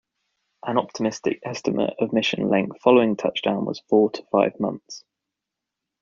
An optimistic estimate of mission length following touchdown was "four to five months".